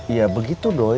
iya begitu doi